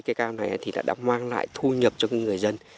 cây cam này đã mang lại thu nhập cho người dân